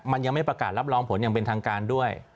มันยังไม่ประกาศรับรองผลอย่างเป็นทางการด้วย